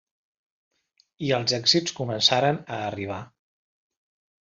I els èxits començaren a arribar.